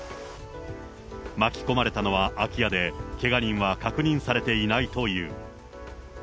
巻き込まれたのは空き家で、けが人は確認されていないという。